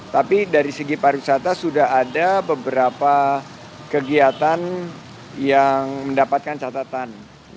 tapi dari segi pariwisata sudah ada beberapa kegiatan yang mendapatkan catatan